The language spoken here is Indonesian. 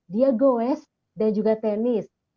dia goes dan juga tenis